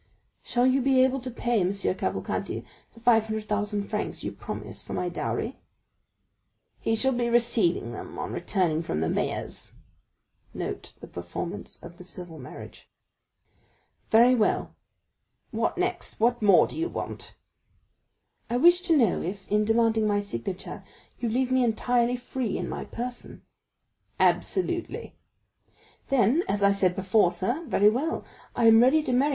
"Shall you be able to pay M. Cavalcanti the five hundred thousand francs you promise for my dowry?" "He shall receive them on returning from the mayor's20." "Very well!" "What next? what more do you want?" "I wish to know if, in demanding my signature, you leave me entirely free in my person?" "Absolutely." "Then, as I said before, sir,—very well; I am ready to marry M.